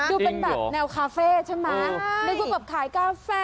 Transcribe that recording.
ดูเป็นแบบแนวคาเฟ่ใช่ไหมนึกว่าแบบขายกาแฟ